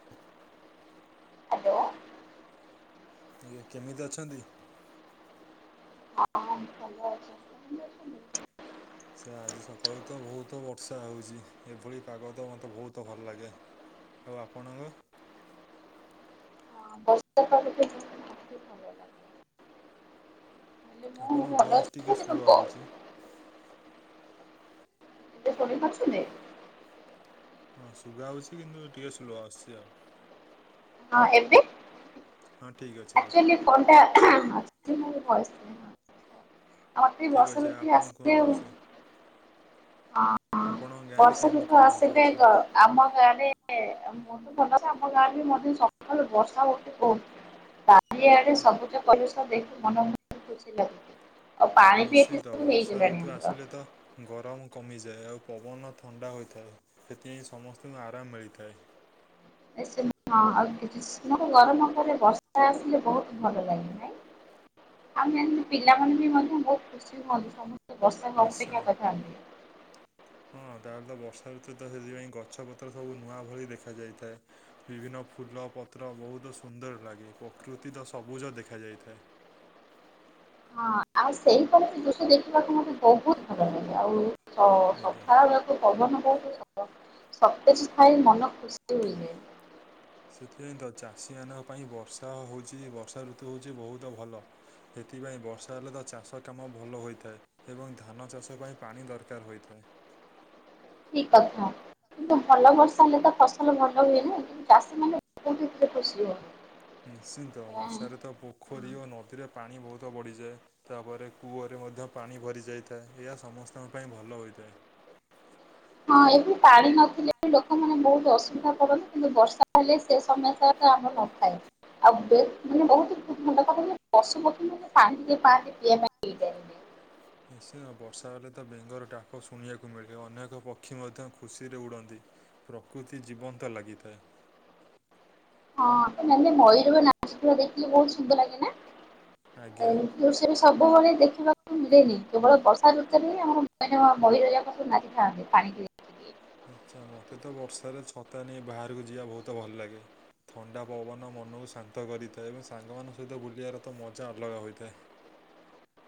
[inaudible] Hello. ଆଜ୍ଞା କେମିତି ଅଛନ୍ତି? ହଁ ଭଲ ଅଛି। ସେ ଆଜି ସକାଳୁ ତ ବୋହୁତ ବର୍ଷା ହେଉଛି ଏଭଳି ପାଗ ତ ମୋତେ ବୋହୁତ ଭଲ ଲାଗେ। ଆଉ ଆପଣଙ୍କ। ହଁ ବର୍ଷା ପାଗ ବି ଆପଣ ଭଏସ୍ ଟିକିଏ ସ୍ଲୋ ଆଉଛି। ସୁଣିପାରୁଛନ୍ତି। ହଁ ସୁବାସ ହଉଛି କିନ୍ତୁ ଟିକେ ସ୍ଲୋ ଆସୁଛି ଆଉ। ହଁ ଏବେ। ହଁ ଠିକ୍ ଅଛି ଏବ [unintelligible] ଅତି ବର୍ଷାଋତୁ ଆସିଲେ ଆଉ ହ। ହଁ ବର୍ଷାଋତୁ ଆସିଲେ ଗ ଆମ ଗାଁରେ ମାନେ ଆମ ଗାଁରେ ବି ମଧ୍ୟ ସକାଳୁ ବର୍ଷାହୋଉଚି ବହୁତ୍। ପାହାଢିଆ ଆଡେ ସବୁଜ ପରିବଶ ଦେଖି ମନ ମୋର ଖୁସି ଲାଗୁଛି। ଆଉ ପାଣିପିଆ [unintelligible] ହେଇଗଲାଣି ଆମର। ଗରମ କମିଯାଏ ଆଉ ପବନ ଥଣ୍ଡା ହୋଇଥାଏ ସେଥିପାଇଁ ସମସ୍ତଙ୍କୁ ଆରାମ ମିଳିଥାଏ। ଏଇ ସେମି ହଁ ଆଉ କିଛିସମୟ ପରେ ଗରମ ପରେ ବର୍ଷା ଆସିଲେ ବହୁତ ଭଲ ଲାଗେ ନାଇଁ। ଆମେ [unintelligible] ପିଲାମାନେ ବି ମଧ୍ୟ ବହୁତ ଖୁସି ହୁଅନ୍ତି ସମସ୍ତେ ବର୍ଷାକୁ ଅପେକ୍ଷା କରିଥାନ୍ତି। ହଁ ତାହେଲେ ତ ବର୍ଷା ଋତୁ ତ ସେଥିପାଇଁ ଗଛ ପତ୍ର ସବୁ ନୂଆ ଭଳି ଦେଖାଯାଇଥାଏ। ବିଭିନ୍ନ ଫୁଲ ପତ୍ର ବହୁତ ସୁନ୍ଦର ଲାଗେ ପ୍ରକୃତି ତ ସବୁଜ ଦେଖାଯାଇଥାଏ। ଆଉ ସେଇପରି ଦୃଶ୍ୟ ଦେଖିବାକୁ ମତେ ବହୁତୁ ଭଲ ଲାଗେ ଆଉ ସ-ସକାଳ [unintelligible] ମନ ଖୁସି ହୋଇଯାଏ। ସେଥିପାଇଁ ତ ଚାଷୀମାନଙ୍କ ପାଇଁ ବର୍ଷା ହଉଚି ବର୍ଷା ଋତୁ ହଉଚି ବହୁତ ଭଲ। ହେଥିପାଇଁ ବର୍ଷା ହେଲେ ତ ଚାଷ କାମ ଭଲ ହୋଇଥାଏ। ଏବଂ ଧାନ ଚାଷ ପାଇଁ ପାଣି ଦରକାର ହୋଇଥାଏ। ଠିକ୍ କଥା। କିନ୍ତୁ ଭଲ ବର୍ଷା ହେଲେ ତ ଫସଲ ଭଲ ହୁଏନା। ଚାଷୀମାନେ ବହୁତ୍ [unintelligible] ଖୁସି ହୁଅନ୍ତି। ନିଶ୍ଚିନ୍ତ ବର୍ଷାରେ ତ ପୋଖରୀ ଓ ନଦୀରେ ପାଣି ବହୁତ ବଢ଼ିଯାଏ। ତାପରେ କୂଅରେ ମଧ୍ୟ ପାଣି ଭରି ଯାଇଥାଏ ଏହା ସମସ୍ତଙ୍କ ପାଇଁ ଭଲ ହୋଇଥାଏ। ହଁ ଏଠି ପାଣି ନଥିଲେ ବି ଲୋକମାନେ ବହୁତୁ ଅସୁବିଧା ପଡନ୍ତି କିନ୍ତୁ ବର୍ଷା ହେଲେ ସେ ସମୟ ତ ତ ଆମର ନଥାଏ। ଆଉ [unintelligible] ବୋହୁତ [unintelligible] ପଶୁ ପକ୍ଷୀ ମାନେ ପାଣି ଟିକେ ପାଆନ୍ତି ପିଇବା ପାଇଁ। [unintelligible] ନିଶ୍ଚୟ ବର୍ଷା ହେଲେ ତ ବେଙ୍ଗର ଡାକ ଶୁଣିବାକୁ ମିଳିବ ଅନେକ ପକ୍ଷୀ ମଧ୍ଯ ଖୁସିରେ ଉଡ଼ନ୍ତି। ପ୍ରକୃତି ଜୀବନ୍ତ ଲାଗିଥାଏ। ହଁ ମାନେ ମୟୂର ର ନାଚିବା ଦେଖି ବହୁତ ସୁନ୍ଦର ଲାଗେ ନା [unintelligible] [unintelligible] ସବୁବେଳେ ଦେଖିବାକୁ ମିଳେନି କେବଳ ବର୍ଷା ଋତୁରେ ହିଁ ଆମର [unintelligible] ମୟୂର ଯାକ ସବୁ ନାଚି ଥାନ୍ତି ପାଣିକି [unintelligible] ଆଚ୍ଛା ମତେ ତ ବର୍ଷାରେ ଛତା ନେଇ ବାହାରକୁ ଯିବା ବହୁତ ଭଲ ଲାଗେ। ଥଣ୍ଡା ପବନ ମନକୁ ଶାନ୍ତ କରିଥାଏ ଏବଂ ସାଙ୍ଗମାନଙ୍କ ସହିତ ବୁଲିବାର ତ ମଜା ଅଲଗା ହୋଇଥାଏ।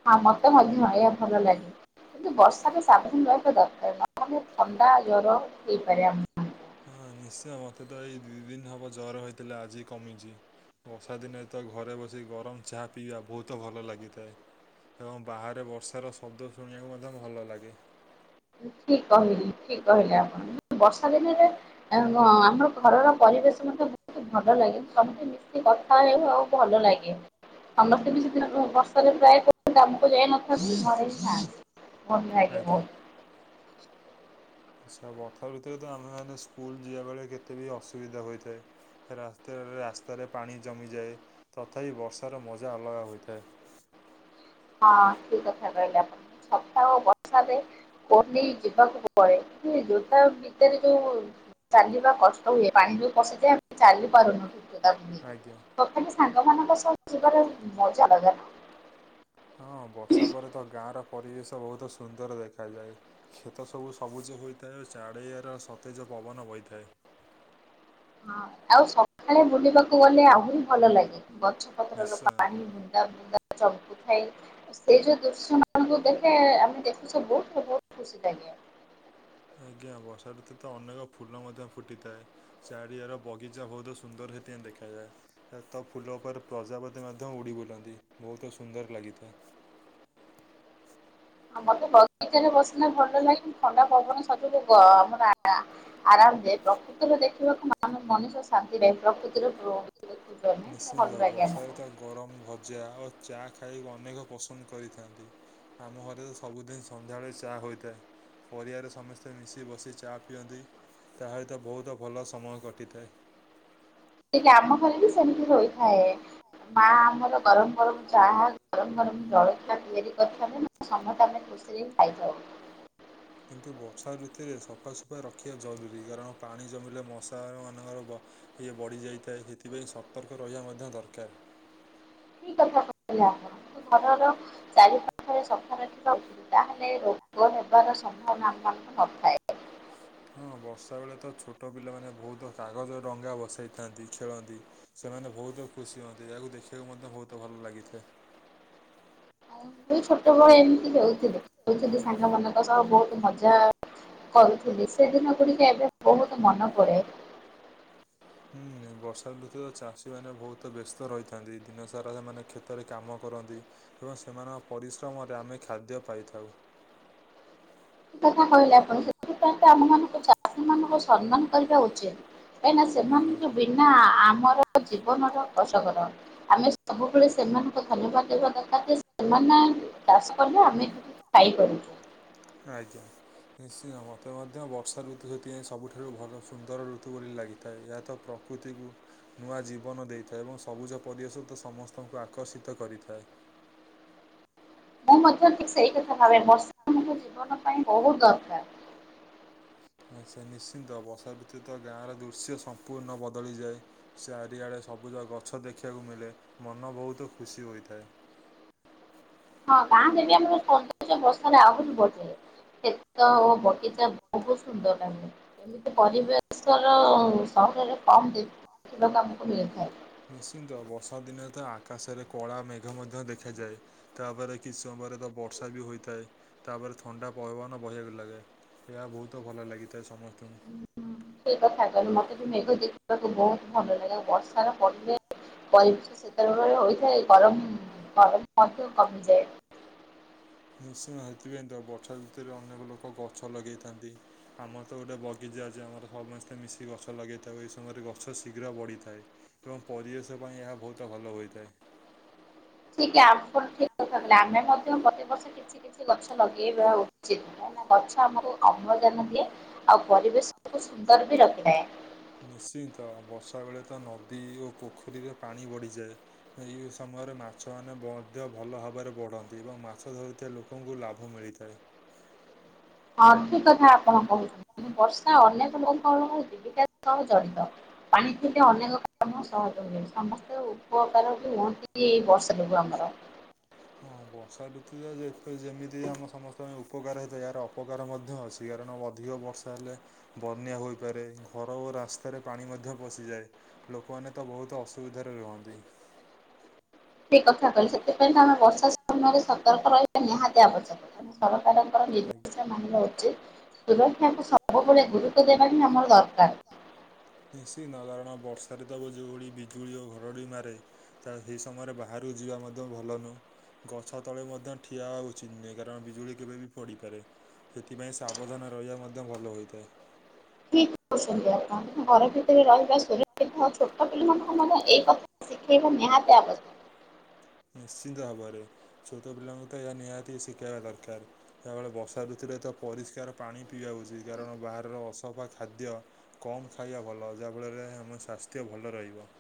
ହଁ ମତେ ମଧ୍ୟ ଏହା ଭଲ ଲାଗେ। କିନ୍ତୁ ବର୍ଷା ରେ ସାବଧାନ ରହିବା ଦରକାର। ନହନେ ଥଣ୍ଡା ଜର ହେଇପାରେ ଆମ ହଁ ନିଶ୍ଚୟ ମତେ ତ ଏଇ ଦି ଦିନ ହବ ଜର ହେଇଥିଲା ଆଜି କମିଚି। ବର୍ଷା ଦିନେ ତ ଘରେ ବସିକି ଗରମ ଚା ପିଇବା ବହୁତ ଭଲ ଲାଗିଥାଏ। ଏବଂ ବାହାରେ ବର୍ଷାର ଶବ୍ଦ ଶୁଣିବାକୁ ମଧ୍ୟ ଭଲ ଲାଗେ। ଠିକ୍ କହିଲି ଠିକ୍ କହିଲେ ଆପଣ। ବର୍ଷା ଦିନରେ ଆମ ଆମର ଘରର ପରିବେଶ ମଧ୍ୟ ଭଲ ଲାଗେ ସମସ୍ତେ ମିଶି କଥା ହେଇ [unintelligible] ଭଲ ଲାଗେ। ସମସ୍ତେ ବି ସେଦିନ ବ-ବର୍ଷାରେ ପ୍ରାୟ [unintelligible] କାମକୁ [unintelligible] ଥାନ୍ତି। ଭଲ ଲାଗେ ବୋହୁତ। ଆଚ୍ଛା ବଥା ଭିତରେ ତ ଆମେମାନେ ସ୍କୁଲ ଯିବା ବେଳେ କେତେ ବି ଅସୁବିଧା ହୋଇଥାଏ। ରାସ୍ତାରେ ରାସ୍ତାରେ ପାଣି ଜମିଯାଏ ତଥାପି ବର୍ଷାର ମଜା ଅଲଗା ହୋଇଥାଏ। ହଁ ଠିକ୍ କଥା କହିଲ [unintelligible] ଛତା ଓ ବର୍ଷା ରେ [unintelligible] ଯିବାକୁ ପଡେ କି ଜୋତା ଭିତରେ ଯୋଉ ଚାଲିବା କଷ୍ଟ ହୁଏ ପାଣିଜଉ ପଶିଯାଏ ଆମେ ଚାଲି ପାରୁନୁ। [unintelligible] ତଥାପି ସାଙ୍ଗମାନଙ୍କ ସହିତ ଯିବାରେ ମଜା ଅଲଗା। ହଁ ବର୍ଷା ପରେ ତ ଗାଁର ପରିବେଶ ବହୁତ ସୁନ୍ଦର ଦେଖାଯାଏ। କ୍ଷେତ ସବୁ ସବୁଜ ହୋଇଥାଏ। ଚାଡିଆର ସତେଜ ପବନ ବହିଥାଏ। ଆଉ ସଖାଳେ ବୁଲିବାକୁ ଗଲେ ଆହୁରି ଭଲ ଲାଗେ ଗଛ ପତ୍ରରୁ ପାଣି ବୁନ୍ଦା ବୁନ୍ଦା ଚମ୍ କୁ ଥାଏ। ସେଇ ଯୋଉ ଦୃଶ୍ୟ ମାନଙ୍କୁ ଦେଖେ ଆମେ ଦେଖୁ ସବୁ ବହୁତୁ ଖୁସି ଲାଗେ। ଆଜ୍ଞା ବର୍ଷା ଋତୁ ତ ଅନେକ ଫୁଲ ମଧ୍ୟ ଫୁଟିଥାଏ। ଚାରିଆର ବଗିଚା ବହୁତ ସୁନ୍ଦର ହେଇଥିପାଇଁ ଦେଖାଯାଏ। ହେତ ଫୁଲ ଉପରେ ପ୍ରଜାପତି ମଧ୍ୟ ଉଡ଼ି ବୁଲନ୍ତି ବହୁତ ସୁନ୍ଦର ଲାଗିଥାଏ। ଅ ମତେ ବଗିଚାରେ ବସିଲେ ଭଲ ଲାଗେ କିନ୍ତୁ ଥଣ୍ଡା ପବନ ସବୁ ମୋର ଆ ଆରାମସେ [unintelligible] ଚାଲ ଦେଖିବ [unintelligible] ର୍ତା ଗରମ ଭଜା ଓ ଚା ଖାଇଆକୁ ଅନେକ ପସନ୍ଦ କରିଥାନ୍ତି। ଆମ ଘରେ ତ ସବୁଦିନ ସନ୍ଧ୍ୟାବେଳେ ଚା ହୋଇଥାଏ। ପରିବାରେ ସମସ୍ତେ ମିଶି ବସି ଚା ପିଅନ୍ତି। ତା ସହିତ ବହୁତ ଭଲ ସମୟ କଟିଥାଏ। ଠିକ୍ ଆମ ଘରେ ବି ସେମିତି ହୋଇଥାଏ। ମା ଆମର ଗରମ ଗରମ ଚାହା, ଗରମ ଗରମ ଜଳଖିଆ ତିଆରି କରିଥାନ୍ତି ନା। ସମତେ ଆମେ ଖୁସିରେ ହିଁ ଖାଇଥାଉ। କିନ୍ତୁ ବର୍ଷା ଋତୁରେ ସଫାସୁଫା ରଖିବା ଜରୁରୀ, କାରଣ ପାଣି ଜମିଲେ ମଶା ଆର ମାନଙ୍କର ବ ଇଏ ବଢ଼ିଯାଇଥାଏ, ସେଥିପାଇଁ ସତର୍କ ରହିଆ ମଧ୍ୟ ଦରକାର। ଠିକ୍ କଥା କହିଲେ ଆପଣ। ଘରର ଚାରି ପାଖରେ ସଫା ରଖିବା ତ ତାହେଲେ ରୋଗ ହେବାର ସମ୍ଭାବନା ନ ନଥାଏ। ହଁ ବର୍ଷା ବେଳେ ତ ଛୋଟ ପିଲାମାନେ ବହୁତ କାଗଜ ଡଙ୍ଗା ଭସାଇଥାନ୍ତି ଖେଳନ୍ତି। ସେମାନେ ବହୁତ ଖୁସି ହୁଅନ୍ତି, ଏହାକୁ ଦେଖିବାକୁ ମଧ୍ୟ ବହୁତ ଭଲ ଲାଗିଥାଏ। ଆମେ ବି ଛୋଟବେଳ ଏମତି ହଉଥିଲେ। ମୋର ଯେତେ ସାଙ୍ଗମାନେ ତାଙ୍କ ସହ ବହୁତ ମଜା କରୁଥିଲି। ସେ ଦିନଗୁଡ଼ିକ ଏବେ ବହୁତ ମନେ ପଡ଼େ। ହୁଁ। ବର୍ଷାଋତୁରେ ଚାଷୀମାନେ ବହୁତ ବ୍ୟସ୍ତ ରହିଥାନ୍ତି, ଦିନସାରା ସେମାନେ କ୍ଷେତରେ କାମ କରନ୍ତି ଏବଂ ସେମାନଙ୍କ ପରିଶ୍ରମରେ ଆମେ ଖାଦ୍ୟ ପାଇଥାଉ। ଠିକ୍ କଥା କହିଲେ ଆପଣ। ସେଥିପାଇଁ ତ ଆମମାନଙ୍କୁ ଚାଷୀମାନଙ୍କୁ ସମ୍ମାନ କରିବା ଉଚିତ। କାହିଁନା ସେମାନଙ୍କୁ ବିନା ଆ-ଆମର ଜୀବନର କସକର। ଆମେ ସବୁବେଳେ ସେମାନଙ୍କୁ ଧନ୍ୟବାଦ ଦେବା ଦରକାର ଯେ, ସେମାନେ ଚାଷ କଲେ ଆମେ ଖାଇପାରୁ। ଆଜ୍ଞା। ନିଶ୍ଚିତ, ମୋତେ ମଧ୍ୟ ବର୍ଷା ଋତୁ ସେଥିପାଇଁ ସବୁଠାରୁ ଭଲ ସୁନ୍ଦର ଋତୁ ବୋଲି ଲାଗିଥାଏ। ଏହା ତ ପ୍ର କୃତିକୁ ନୂଆ ଜୀବନ ଦେଇଥାଏ ଏବଂ ସବୁଜ ପରିିବେଶ ତ ସମସ୍ତଙ୍କୁ ଆକର୍ଷିତ କରିଥାଏ। ମୁଁ ମଧ୍ୟ ଠିକ ସେଇ କଥା ଭାବେ, ବର୍ଷା ଆମକୁ ଜୀବନ ପାଇଁ ବହୁତ ଦରକାର। ଆଚ୍ଛା ନିଶ୍ଚିନ୍ତ, ବର୍ଷାଋତୁରେ ତ ଗାଁର ଦୃଶ୍ୟ ସମ୍ପୂର୍ଣ୍ଣ ବଦଳିଯାଏ। ଚାରିଆଡ଼େ ସବୁଜ ଗଛ ଦେଖିବାକୁ ମିଳେ, ମନ ବହୁତ ଖୁସି ହୋଇଥାଏ। ହଁ ଗାଁରେ ବି ଆମର ସୌନ୍ଦର୍ଯ୍ୟ ବର୍ଷାରେ ଆହୁରି ବଢ଼ିଯାଏ। କ୍ଷେତ ହଉ ବଗିଚା ବହୁତ ସୁନ୍ଦର ଲାଗେ। ଏମିତି ପରିବେଶର ସହରରେ କମ ଦେଖିବାକୁ ଆମକୁ ମିଳିଥାଏ। ନିଶ୍ଚିନ୍ତ, ବର୍ଷାଦିନରେ ତ ଆକାଶରେ କଳା ମେଘ ମଧ୍ୟ ଦେଖାଯାଏ। ତାପରେ କିଛି ସମୟରେ ତ ବର୍ଷା ବି ହୋଇଥାଏ। ତାପରେ ଥଣ୍ଡା ପବନ ବହିବାକୁ ଲାଗେ। ଏହା ବହୁତ ଭଲ ଲାଗିଥାଏ ସମସ୍ତଙ୍କୁ। ଠିକ୍ କଥା କହିଲେ। ମତେ ତ ମେଘ ଦେଖିବାକୁୁ ବହୁତ ଭଲ ଲାଗେ ଆଉ ବର୍ଷାର ପରିବେ ପରିବେଶ ସେତବେଳର ହୋଇଥାଏ, ଗରମ ଗରମ ମଧ୍ୟ କମିଯାଏ। ନିଶ୍ଚନ୍ତ, ସେଥିପାଇଁ ତ ବର୍ଷାଋତୁରେ ଅନେକ ଲୋକ ଗଛ ଲଗେଇଥାନ୍ତି। ଆମର ତ ଗୋଟେ ବଗିଚା ଅଛି। ଆମର ସମସ୍ତେ ମିଶିକି ଗଛ ଲଗାଇଥାଉ। ଏଇ ସମୟରେ ଗଛ ଶୀଘ୍ର ବଢ଼ିଥାଏ ଏବଂ ପରିବେଶ ପାଇଁ ଏହା ବହୁତ ଭଲ ହୋଇଥାଏ। ଠିକ୍ ଆପଣ ଠିକ୍ କଥା କହିଲେ। ଆମେ ମଧ୍ୟ ପ୍ରତି ବର୍ଷ କିଛି କିଛି କିଛି ଗଛ ଲଗେଇବା ଉଚିତ। କାଇଁନା ଗଛ ଆମକୁ ଅମ୍ଳଜାନ ଦିଏ ଆଉ ପରିବେଶକୁ ସୁନ୍ଦର ବି ରଖିଥାଏ। ନିଶ୍ଚିନ୍ତ। ବର୍ଷା ବେଳେ ତ ନଦୀ ଓ ପୋଖରୀରେ ପାଣି ବଢ଼ିଯାଏ। ଏହି ଇ ସମୟରେ ମାଛମାନେ ମଧ୍ୟ ଭଲ ଭାବରେ ବଢନ୍ତି ଏବଂ ମାଛ ଧରୁଥିବା ଲୋକ କଙ୍କୁ ଲାଭ ମିଳିଥାଏ। ହଁ ଠିକ୍ କଥା ଆପଣ କହୁଛନ୍ତି, ବର୍ଷା ଅନେକ ଲୋକଙ୍କ ଜୀବିକା ସହ ଜଡ଼ିତ। ପାଣି ଥିଲେ ଅନେକ କାମ ସହଜ ହୁଏ। ସମସ୍ତେ ଉପକାର ବି ହୁଅନ୍ତି କି ଏଇ ବର୍ଷ ବର୍ଷା ହଁ ବର୍ଷା ଋତୁରେ ଯେତେ ଯେମିତି ଆମ ସମସ୍ତଙ୍କ ପାଇଁ ଉପକାର ହେଇଥାଏ ଏହାର ଅପକାର ମଧ୍ୟ ଅଛି। କାରଣ ଅଧିକ ବର୍ଷା ହେଲେ ବନ୍ୟା ହୋଇପାରେ ଘର ଓ ରାସ୍ତାରେ ପାଣି ମଧ୍ୟ ପଶିଯାଏ। ଲୋକମାନେ ତ ବହୁତ ଅସୁବିଧାରେ ରୁହନ୍ତି। ଏ କଥା କଲେ ସେଥିପାଇଁ ତ ଆମେ ବର୍ଷା ସମୟରେ ସତର୍କ ରହିବା ନିହାତି ଆବଶ୍ୟକ। ସରକାରଙ୍କର ନିର୍ଦ୍ଦେଶ ମାନିବା ଉଚିତ। ସୁରକ୍ଷାକୁ ସବୁବେଳେ ଗୁରୁତ୍ୱ ଦେବା ହିଁ ଆମର ଦରକାର। ନିଶ୍ଚନ୍ତ କାରଣ ବର୍ଷାରେ ତ ଯୋଉଭଳି ବିଜୁଳି ଆଉ ଘଡଘଡ଼ି ମାରେ ତ ସେହି ସମୟରେ ବାହାରକୁ ଯିବା ମଧ୍ୟ ଭଲ ନୁହଁ। ଗଛ ତଳେ ମଧ୍ୟ ଠିଆ ହେବା ଉଚିତ ନୁହେଁ, କାରଣ ବିଜୁଳି କେବେ ବି ପଡ଼ିପାରେ। ସେଥିପାଇଁ ସାବଧାନ ରହିବା ମଧ୍ୟ ଭଲ ହୋଇଥାଏ। ଶୁଭ ସନ୍ଧ୍ୟା। ଘର ଭିତରେ ରହିବା ଶ ଛୋଟ ପିଲାମାନଙ୍କ ମଧ୍ୟ ଏଇ କଥା ଶିଖେଇବା ନିହାତି ଆବଶ୍ୟ ନିଶ୍ଚିନ୍ତ ଭାବରେ ଛୋଟ ପିଲାଙ୍କୁ ତ ଏହା ନିହାତି ଶିଖାଇବା ଦରକାର। ଯାହାବେଳେ ବର୍ଷା ଋତୁରେ ତ ପରିଷ୍କାର ପାଣି ପିଇବା ଉଚିତ କାରଣ ବାହାରର ଅସଫା ଖାଦ୍ୟ କମ୍ ଖାଇବା ଭଲ ଯାହାଫଳରେ ଆମ ସ୍ୱାସ୍ଥ୍ୟ ଭଲ ରହିବ।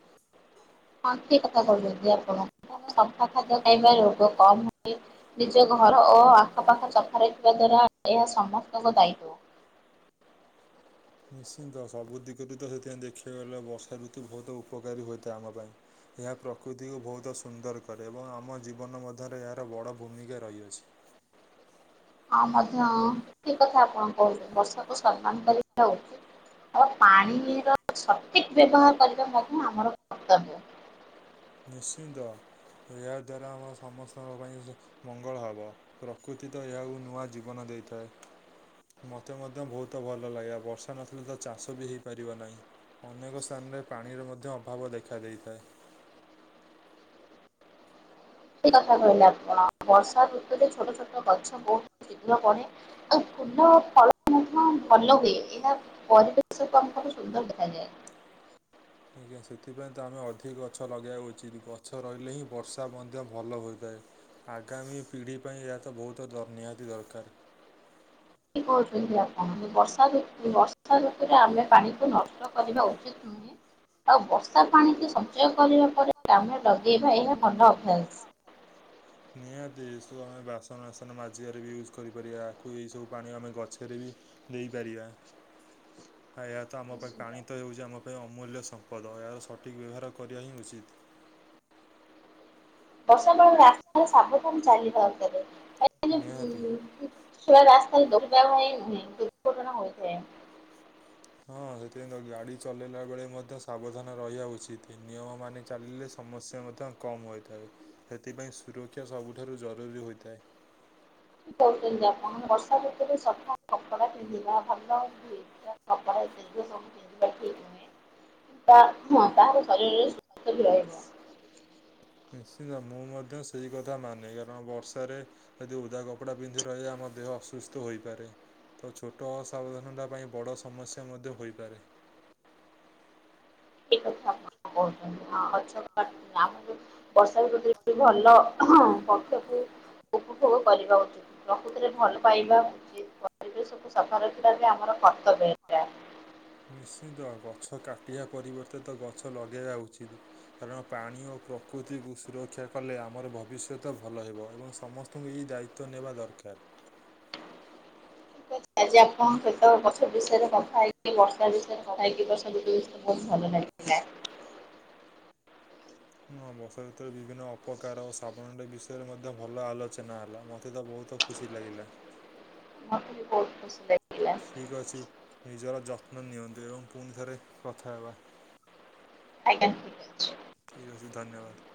ହଁ ଠିକ୍ କଥା କହିଲଯେ ଆପଣ ସଫା ଖାଦ୍ୟ ଖାଇବା ରୋଗ କମ୍ ହୁଏ। ନିଜ ଘର ଓ ଆଖପାଖ ସଫା ରଖିବା ଦ୍ଵାରା ଏହା ସମସ୍ତଙ୍କ ଦାୟିତ୍ଵ। ନିଶ୍ଚିନ୍ତ ସବୁ ଦିଗରୁ ତ ସେଥିପାଇଁ ଦେଖିବାକୁ ଗଲେ ବର୍ଷା ଋତୁ ବହୁତ ଉପକାରୀ ହୋଇଥାଏ ଆମ ପାଇଁ। ଏହା ପ୍ରକୃତିକୁ ବହୁତ ସୁନ୍ଦର କରେ ଏବଂ ଆମ ଜୀବନ ମଧ୍ୟରେ ଏହାର ବଡ଼ ଭୂମିକା ରହିଅଛି। ହଁ ମଧ୍ୟ ଠିକ କଥା ଆପଣ କହୁଛନ୍ତି ବର୍ଷାକୁ ସମ୍ମାନ କରିବା ଉଚିତ୍। ଆଉ ପାଣିର ସଠିକ ବ୍ୟବହାର କରିବା ମଧ୍ୟ ଆମର କର୍ତ୍ତବ୍ୟ। ନିଶ୍ଚିନ୍ତ ଏହାଦ୍ୱାରା ଆମ ସମସ୍ତଙ୍କ ପାଇଁ ମଙ୍ଗଳ ହବ, ପ୍ରକୃତି ତ ଏହାକୁ ନୂଆ ଜୀବନ ଦେଇଥାଏ। ମୋତେ ମଧ୍ୟ ବହୁତ ଭଲ ଲାଗେ। ବର୍ଷା ନଥିଲେ ତ ଚାଷ ବି ହେଇପାରିବ ନାହିଁ। ଅନେକ ସ୍ଥାନରେ ପାଣିର ମଧ୍ୟ ଅଭାବ ଦେଖାଦେଇଥାଏ। ଠିକ୍‌କଥା କହିଲେ ଆପଣ ବର୍ଷା ଋତୁରେ ଛଟ ଛୋଟ ଗଛ ବହୁତ ଶିଘ୍ର ବଢେ। ଆଉ ଫୁଲ ଫଳ ମଧ୍ୟ ଭଲ ହୁଏ ଏଇନା ପରିବେଶ କମକୁ ସୁନ୍ଦର କରାଯାଏ। ଆଜ୍ଞା ସେଥିପାଇଁ ତ ଆମେ ଅଧିକ ଗଛ ଲଗାଇବା ଉଚିତ। ଗଛ ରହିଲେ ହିଁ ବର୍ଷା ମଧ୍ୟ ଭଲ ହୋଇଥାଏ। ଆଗାମୀ ପିଢ଼ି ପାଇଁ ଏହା ତ ବହୁତ ନିହାତି ଦରକାର। କି କହୁଚନ୍ତି ଆପଣ ବର୍ଷାଋତ ବର୍ଷା ଋତୁରେ ଆମେ ପାଣିକୁ ନଷ୍ଟ କରିବା ଉଚିତ୍। ନୁହେଁ। ଆଉ ବର୍ଷା ପାଣିକୁ ସଞ୍ଚୟ କରିବା ପରେ କାମରେ ଲଗେଇବା ଏହା ଭଲ ଅଭ୍ୟାସ। ନିହାତି ଏସବୁ ଆମେ ବାସନ ଫାସନ ମାଜିବାରେ ବି ୟୁଜ୍ କରିପାରିବା। ଆକୁ ଏଇସବୁ ପାଣି ଆମେ ଗଛରେ ବି ନେଇପାରିବା। [inaudible] ହ ଏହା ତ ଆମ ପାଇଁ ପାଣି ତ ହେଉଚି ଆମ ପାଇଁ ଅମୂଲ୍ୟ ସମ୍ପଦ ଏହାର ସଠିକ୍ ବ୍ୟବହାର କରିବା ହିଁ ଉଚିତ୍। ବର୍ଷା ବେଳ ରାସ୍ତାରେ ସାବଧାନ ଚାଲିବା [unintelligible] ସେଥିପାଇଁ ରାସ୍ତାରେ ଦୌଡିବା ପାଇଁ ନୁହେଁ ଦୁର୍ଘଟଣା ହୋଇଥାଏ। ହଁ ସେଥିପାଇଁ ତ ଗାଡି ଚଲେଇଲା ବେଳେ ମଧ୍ୟ ସାବଧାନ ରହିବା ଉଚିତ। ନିୟମ ମାନି ଚାଲିଲେ ସମସ୍ୟା ମଧ୍ୟ କମ୍ ହୋଇଥାଏ। ସେଥିପାଇଁ ସୁରକ୍ଷା ସବୁଠାରୁ ଜରୁରୀ ହୋଇଥାଏ। କହୁଚନ୍ତି ଆପଣ ବର୍ଷା ଋତୁରେ ସଫା କପଡ଼ା ପିନ୍ଧିବା ଭଲ ହୁଏ। [unintelligible] ବା ହଁ ତାର ଶରୀରରେ ସୁସ୍ଥ ବି ରହିବ। ନିଶ୍ଚିନ୍ତ ମୁଁ ମଧ୍ୟ ସେଇ କଥା ମାନେ କାରଣ ବର୍ଷାରେ ଯଦି ଓଦା କପଡ଼ା ପିନ୍ଧି ରହିବା ମଧ୍ୟ ଅସୁସ୍ଥ ହୋଇପାରେ। ତ ଛୋଟ ଅସାବଧାନତା ପାଇଁ ବଡ଼ ସମସ୍ୟା ମଧ୍ୟ ହୋଇପାରେ। ଠିକ୍ କଥା ହଁ। ହ କହୁଚନ୍ତି ହଁ ଗଛ ଆମ ଯ ବର୍ଷାରେ [unintelligible] ଭଲ ପକ୍ଷକୁ ଉପଭୋଗ କରିବା ଉଚିତ ପ୍ରକୃତରେ ଭଲ ପାଇବା ଉଚିତ ପରିବେଶକୁ ସଫା ରଖିବା ବି ଆମର କର୍ତ୍ତବ୍ୟ ହେଲା ନିଶ୍ଚିନ୍ତ ଗଛ କାଟିବା ପରିବର୍ତ୍ତେ ତ ଗଛ ଲଗେଇବା ଉଚିତ୍। କାରଣ ପାଣି ଓ ପ୍ରକୃତିକୁ ସୁରକ୍ଷା କଲେ ଆମର ଭବିଷ୍ୟତ ଭଲ ହେବ ଏବଂ ସମସ୍ତ ଏଇ ଦାୟିତ୍ୱ ନେବା ଦରକାର ଆଜି ଆପଣ କେତେ ଗଛ ବିଷୟରେ କଥା ହେଇକି ବର୍ଷା ବିଷୟରେ କଥା ହେଇକି ବର୍ଷା [unintelligible] ବହୁତ ଭଲ ଲାଗିଲା ହଁ ବର୍ଷା ଋତୁରେ ବିଭିନ୍ନ ଅପକାର ଓ ସାବଣଟି ବିଷୟରେ ମଧ୍ୟ ଭଲ ଆଲୋଚନା ହେଲା ମୋତେ ତ ବହୁତ ଖୁ ଖୁସି ଲାଗିଲା। ମତେ ବି ବହୁତ ଖୁସି ଲାଗି ଠିକ ଅଛି ନିଜର ଯତ୍ନ ନିଅନ୍ତୁ ଏବଂ ପୁଣି ଥରେ କଥା ହେବା। ଆଜ୍ଞା ଠିକ ଅଛି। ଠିକ୍ ଅଛି ଧନ୍ୟବାଦ।